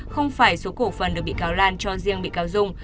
không phải số cổ phần được bị cáo lan cho riêng bị cáo dung